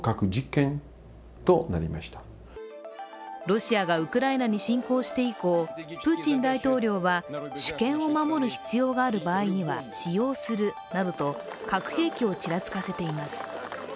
ロシアがウクライナに侵攻して以降プーチン大統領は主権を守る必要がある場合には使用するなどと核兵器をちらつかせています。